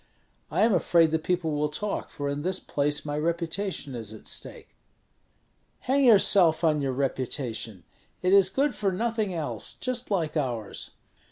I am afraid that people will talk, for in this place my reputation is at stake." "Hang yourself on your reputation; it is good for nothing else, just like ours."